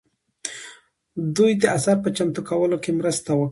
دوی د اثر په چمتو کولو کې مرسته وکړه.